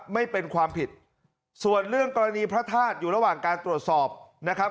ไม่เป็นความผิดส่วนเรื่องกรณีพระธาตุอยู่ระหว่างการตรวจสอบนะครับ